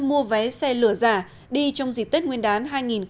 người dân mua vé xe lửa giả đi trong dịp tết nguyên đán hai nghìn một mươi bảy